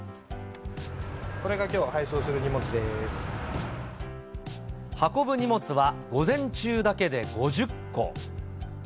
これがきょう、配送する荷物運ぶ荷物は午前中だけで５０個。